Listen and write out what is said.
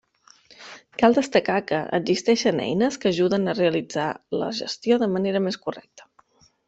Cal destacar que, existeixen eines que ajuden a realitzar la gestió de manera més correcta.